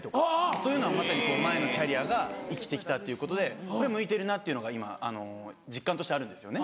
そういうのはまさに前のキャリアが生きてきたっていうことで向いてるなっていうのが今実感としてあるんですよね。